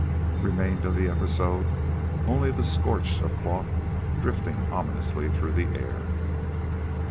Remained of the episode only the scorch of cloth drifting ominously through the air.